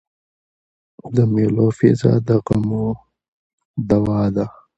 د مېلو فضا د غمو دوا ده.